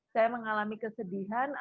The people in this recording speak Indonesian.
saya mengalami kesedaran